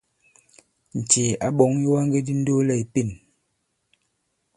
Ǹcìì à ɓɔ̂ŋ ìwaŋge di ndoolɛ ì pěn.